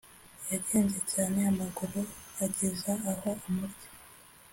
yagenze cyane amaguru ageza aho amurya